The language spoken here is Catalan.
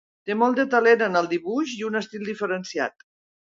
Té molt de talent en el dibuix i un estil diferenciat.